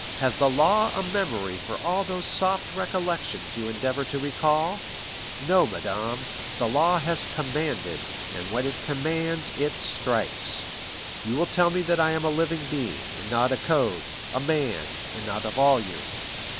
Has the law a memory for all those soft recollections you endeavor to recall? No, madame; the law has commanded, and when it commands it strikes. You will tell me that I am a living being, and not a code—a man, and not a volume.